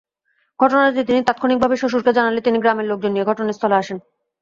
ঘটনাটি তিনি তাৎক্ষণিকভাবে শ্বশুরকে জানালে তিনি গ্রামের লোকজন নিয়ে ঘটনাস্থলে আসেন।